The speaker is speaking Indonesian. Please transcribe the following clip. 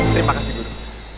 terima kasih guru